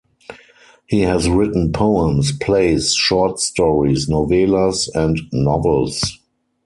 He has written poems, plays, short stories, novelas and novels.